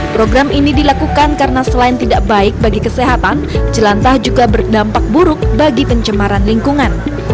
program ini dilakukan karena selain tidak baik bagi kesehatan jelantah juga berdampak buruk bagi pencemaran lingkungan